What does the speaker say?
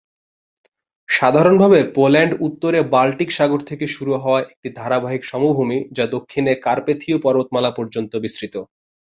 সাধারণভাবে পোল্যান্ড উত্তরে বাল্টিক সাগর থেকে শুরু হওয়া একটি ধারাবাহিক সমভূমি যা দক্ষিণে কার্পেথীয় পর্বতমালা পর্যন্ত বিস্তৃত।